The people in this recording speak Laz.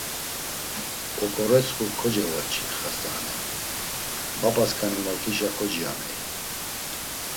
Oǩoretsxu kocevoç̌i xast̆aane, babasǩani morǩişa kociyoney.